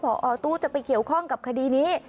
พอตู้จะไปเกี่ยวข้องกับคดีนี้